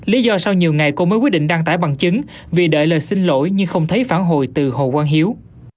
lý do sau nhiều ngày cô mới quyết định đăng tải bằng chứng vì đợi lời xin lỗi nhưng không thấy phản hồi từ hồ quang hiếu